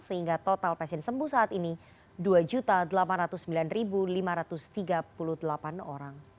sehingga total pasien sembuh saat ini dua delapan ratus sembilan lima ratus tiga puluh delapan orang